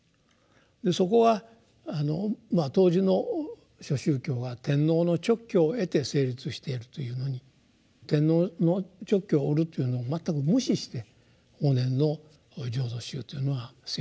でそこは当時の諸宗教は天皇の勅許を得て成立しているというのに天皇の勅許を得るというのを全く無視して法然の「浄土宗」というのは成立すると。